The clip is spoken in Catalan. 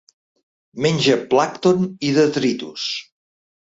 Menja plàncton i detritus.